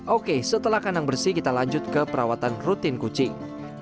oke setelah kandang bersih kita lanjut ke perawatan rutin kucing